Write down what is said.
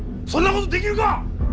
そんな事できるか！